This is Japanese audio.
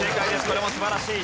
これも素晴らしい。